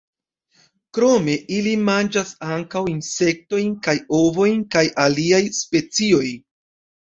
Krome ili manĝas ankaŭ insektojn kaj ovojn de aliaj specioj.